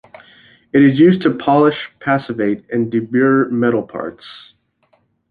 It is used to polish, passivate, and deburr metal parts.